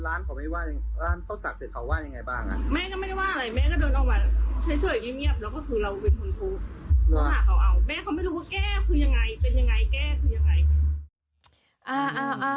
แม้เค้าไม่รู้ว่าแก้คือยังไงเป็นยังไงแก้คือยังไง